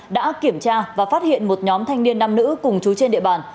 đã kiểm tra và phát hiện một nhóm thanh niên nam nữ cùng chú trên địa bàn